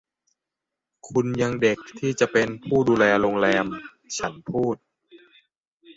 คุณยังเด็กที่จะเป็นผู้ดูแลโรงแรม” ฉันพูด